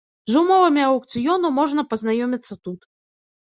З умовамі аўкцыёну можна пазнаёміцца тут.